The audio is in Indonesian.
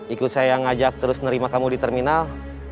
ikut saya ngajak terus nerima kamu di terminal